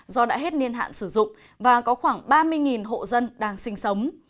do đã hết niên hạn sử dụng và có khoảng ba mươi hộ dân đang sinh sống